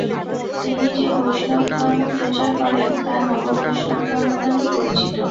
তিনি যে বৈষ্ণবধর্ম প্রচার করেন তা নব্যবৈষ্ণবধর্ম নামে পরিচিত।